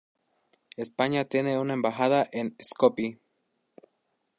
España tiene una embajada en Skopie.